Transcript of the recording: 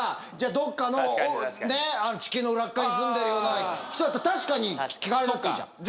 どっかの地球の裏っ側に住んでるような人だったら確かに聞かれたっていいじゃん。